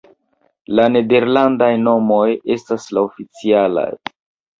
La nederlandaj nomoj estas la oficialaj.